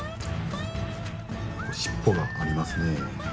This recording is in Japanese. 尻尾がありますね。